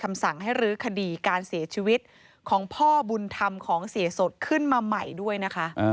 สั่งให้รื้อคดีการเสียชีวิตของพ่อบุญธรรมของเสียสดขึ้นมาใหม่ด้วยนะคะ